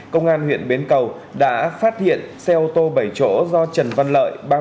công an huyện bến cầu đã phát hiện xe ô tô bảy chỗ do trần văn lợi